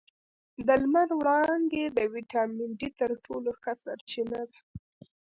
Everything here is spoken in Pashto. د لمر وړانګې د ویټامین ډي تر ټولو ښه سرچینه ده